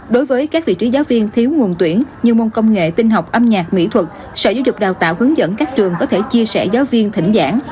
đối với các vị trí giáo viên thiếu nguồn tuyển như môn công nghệ tinh học âm nhạc mỹ thuật sở giáo dục đào tạo hướng dẫn các trường có thể chia sẻ giáo viên thỉnh giảng